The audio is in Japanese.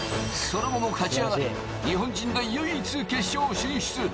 その後も勝ち上がり、日本人で唯一決勝進出。